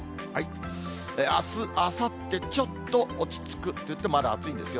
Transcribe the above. あす、あさって、ちょっと落ち着くといってもまだ暑いんですよ。